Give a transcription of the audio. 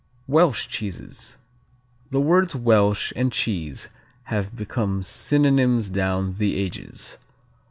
Welsh cheeses The words Welsh and cheese have become synonyms down the ages.